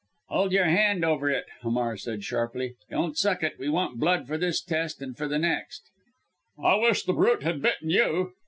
"Hold your hand over it!" Hamar said sharply. "Don't suck it! We want blood for this test and for the next." "I wish the brute had bitten you!"